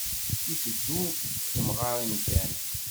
Iteddu d temɣarin kan.